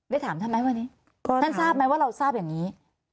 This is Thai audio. ถามท่านไหมวันนี้ท่านทราบไหมว่าเราทราบอย่างนี้